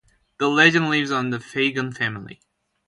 The legend lives on in the Fagan family.